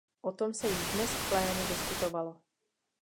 O tom se již dnes v plénu diskutovalo.